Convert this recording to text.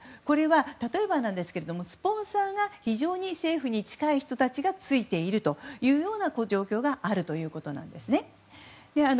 これは例えばなんですがスポンサーが非常に政府に近い人たちがついているという状況があるということです。